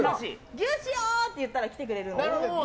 ぎゅーしよって言ったら来てくれるので。